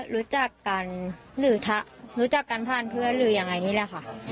รู้จักกันผ่านเพื่อนหรือยังไงนี่แหละค่ะ